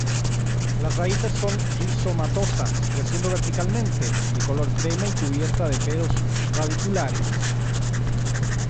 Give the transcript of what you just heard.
Las raíces son rizomatosas, creciendo verticalmente, de color crema y cubiertas de pelos radiculares.